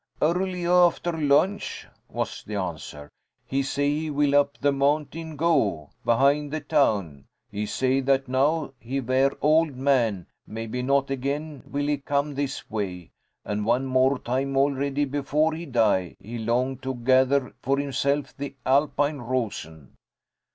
"Early after lunch," was the answer. "He say he will up the mountain go, behind the town. He say that now he vair old man, maybe not again will he come this way, and one more time already before he die, he long to gather for himself the Alpine rosen."